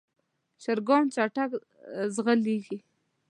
چرګان چټک ځغلېږي.